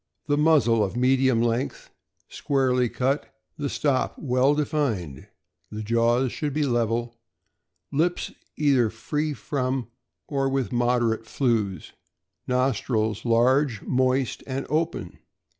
The muzzle of medium length, squarely cut, the stop well defined. The jaws should be level. Lips either free from or with moderate flews. Nostrils large, moist, and open.